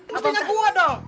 mestinya gua dong